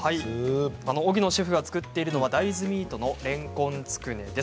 荻野シェフが作っているのは大豆ミートのれんこんつくねです。